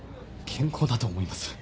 健康だと思います。